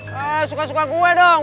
hei suka suka gue dong